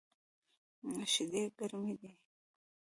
شیدې ګرمی دی